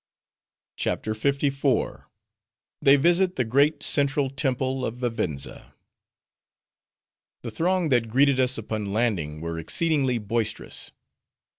CHAPTER LIV. They Visit The Great Central Temple Of Vivenza The throng that greeted us upon landing were exceedingly boisterous.